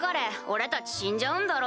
俺たち死んじゃうんだろ。